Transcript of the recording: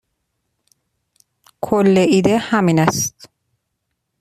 کل ایده همین است.